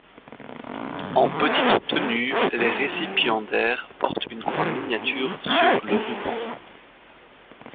En petite tenue, les récipiendaires portent une croix miniature sur le ruban.